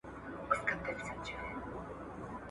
ستا سورکۍ نازکي پاڼي ستا په پښو کي تویومه !.